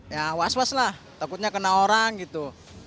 ya was was lah takutnya kena orang gitu